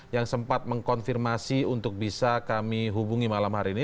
yang sempat mengkonfirmasi untuk bisa kami hubungi malam hari ini